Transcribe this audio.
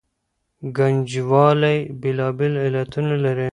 ګنجوالي بېلابېل علتونه لري.